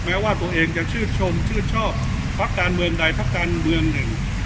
แม้ว่าตัวเองจะชื่นชมชื่นชอบพักการเมืองใดพักการเมืองหนึ่ง